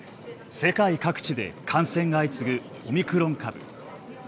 世界各地で感染が相次ぐオミクロン株。